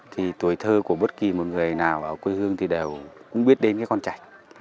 thì tuổi thơ của bất kỳ một người nào ở quê hương thì đều cũng biết đến cái con trẻ